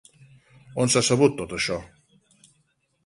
On s'ha sabut tot això?